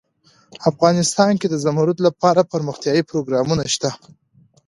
افغانستان کې د زمرد لپاره دپرمختیا پروګرامونه شته.